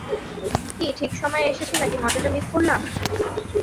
কি ঠিক সময়ে এসেছি নাকি মজাটা মিস করলাম?